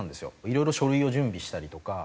いろいろ書類を準備したりとか。